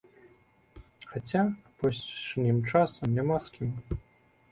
Хаця апошнім часам няма з кім.